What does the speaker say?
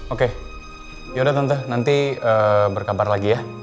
oke yaudah tentu nanti berkabar lagi ya